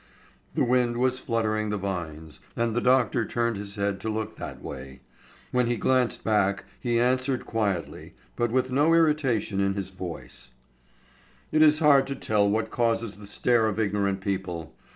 The wind was fluttering the vines, and the doctor turned his head to look that way. When he glanced back he answered quietly, but with no irritation in his voice: "It is hard to tell what causes the stare of ignorant people.